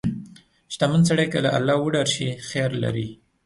• شتمن سړی که له الله وډار شي، خیر لري.